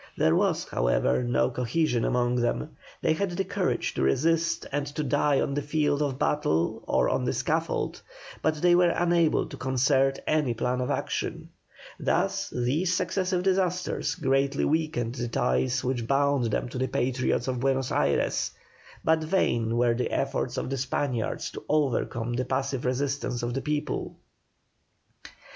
There was, however, no cohesion among them; they had the courage to resist and to die on the field of battle or on the scaffold, but they were unable to concert any plan of action; thus these successive disasters greatly weakened the ties which bound them to the Patriots of Buenos Ayres, but vain were the efforts of the Spaniards to overcome the passive resistance of the people.